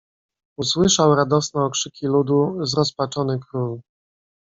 "Usłyszał radosne okrzyki ludu zrozpaczony król."